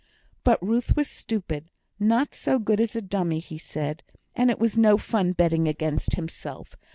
But Ruth was stupid, not so good as a dummy, he said; and it was no fun betting against himself.